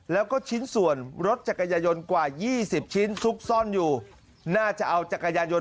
แล้วก็ชิ้นส่วนรถจักรยายนกว่า๒๐ชิ้นซุกซ่อนอยู่น่าจะเอาจักรยานยนต